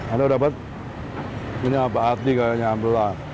anda dapat ini apa ati kayaknya ambelah